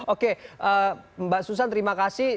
oke mbak susan terima kasih